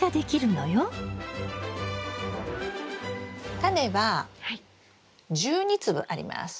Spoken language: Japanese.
タネは１２粒あります。